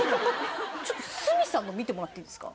ちょっと鷲見さんの見てもらっていいですか？